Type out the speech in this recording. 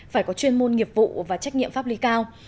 phải có chuyên môn nghiệp vụ và trách nhiệm pháp lý cao